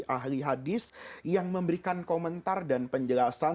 ahli hadis yang memberikan komentar dan penjelasan